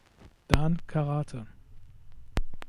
Dan Karate.